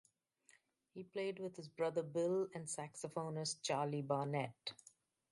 He played with his brother Bill and saxophonist Charlie Barnet.